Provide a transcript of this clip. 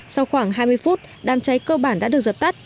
sau khoảng hai mươi phút đám cháy cơ bản đã được dập tắt